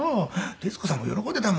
徹子さんも喜んでたもん」。